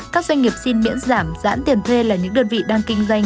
các doanh nghiệp xin miễn giảm giãn tiền thuê là những đơn vị đang kinh doanh